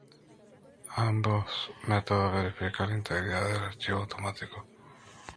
ambos métodos verifican la integridad del archivo automáticamente